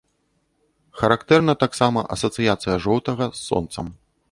Характэрна таксама асацыяцыя жоўтага з сонцам.